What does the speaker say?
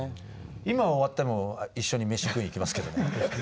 今は終わっても一緒に飯食いに行きますけどね。